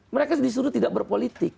mereka disuruh tidak berpolitik